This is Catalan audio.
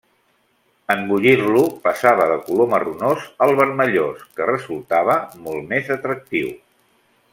En bullir-lo passava de color marronós al vermellós, que resultava molt més atractiu.